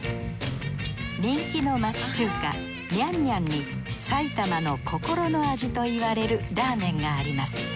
人気の町中華娘々にさいたまの心の味と言われるラーメンがあります。